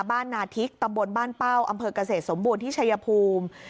นาทิกตำบลบ้านเป้าอำเภอกเกษตรสมบูรณ์ที่ชายภูมิ